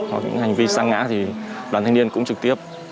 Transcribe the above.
hoặc những hành vi xăng ngã thì đoàn thanh niên cũng trực tiếp